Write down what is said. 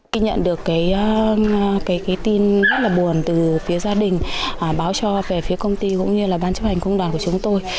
khi nhận được cái tin rất là buồn từ phía gia đình báo cho về phía công ty cũng như là ban chấp hành công đoàn của chúng tôi